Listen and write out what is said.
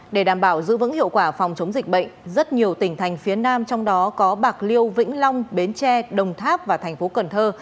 để đảm bảo giữ vững hiệu quả phòng chống dịch bệnh rất nhiều tỉnh thành phía nam trong đó có bạc liêu vĩnh long bến tre đồng tháp và thành phố cần thơ